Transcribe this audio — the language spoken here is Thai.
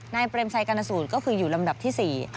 เปรมชัยกรณสูตรก็คืออยู่ลำดับที่๔